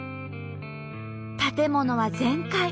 建物は全壊。